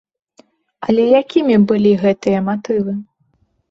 Але якімі былі гэтыя матывы?